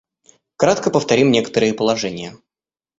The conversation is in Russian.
Кратко повторим некоторые положения.